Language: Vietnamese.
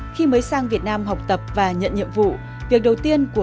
khi mới sang việt nam học tập và nhận nhiệm vụ